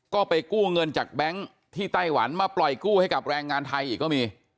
ก็ไปกู้เงินจากแบงค์ที่ไต้หวันมาปล่อยกู้ให้กับแรงงานไทยอีกก็มี